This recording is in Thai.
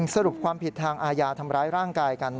สรุปความผิดทางอาญาทำร้ายร่างกายกัน